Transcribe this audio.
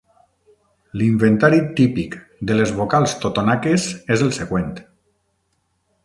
L'inventari "típic" de les vocals totonaques és el següent.